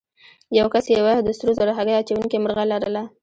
یو کس یوه د سرو زرو هګۍ اچوونکې مرغۍ لرله.